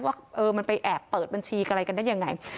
ว่ามันไปแอบเปิดบัญชีอะไรกันได้ยังไง